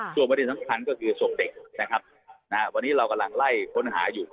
ส่วนประเด็นสำคัญก็คือศพเด็กนะครับวันนี้เรากำลังไล่ค้นหาอยู่